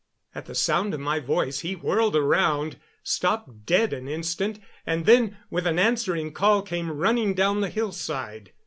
At the sound of my voice he whirled around, stopped dead an instant, and then, with an answering call, came running down the hillside.